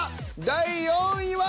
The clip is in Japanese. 第４位は。